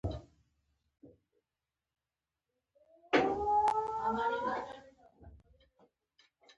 اوبه پاکوي.